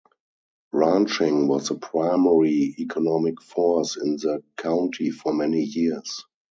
Ranching was the primary economic force in the county for many years.